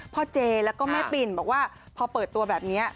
เจแล้วก็แม่ปิ่นบอกว่าพอเปิดตัวแบบนี้